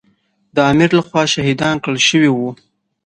د امیر له خوا شهیدان کړای شوي وو.